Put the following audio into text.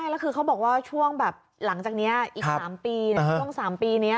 แล้วคือเขาบอกว่าช่วงแบบหลังจากนี้อีก๓ปีช่วง๓ปีนี้